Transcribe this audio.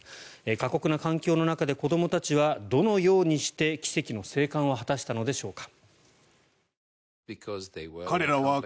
過酷な環境の中で子どもたちはどのようにして奇跡の生還を果たしたのでしょうか。